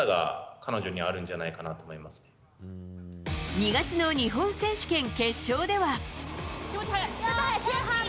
２月の日本選手権決勝では。